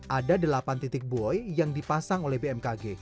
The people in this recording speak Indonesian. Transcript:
ada delapan titik buoy yang dipasang oleh bmkg